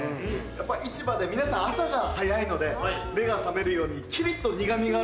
やっぱ市場で皆さん朝が早いので目が覚めるようにキリっと苦みがあるもの。